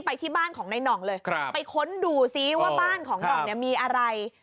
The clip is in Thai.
ไปที่บ้านของนายหน่องเลยไปค้นดูซิว่าบ้านของหน่องเนี่ยมีอะไร